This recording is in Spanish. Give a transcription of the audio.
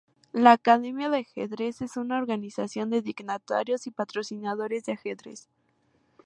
La Academia de Ajedrez es una organización de dignatarios y patrocinadores de ajedrez.